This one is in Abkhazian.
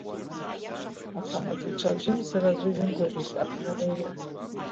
Аха амаҵуцәа аӡәымзар аӡәы изымгәаӷьит абна анеира.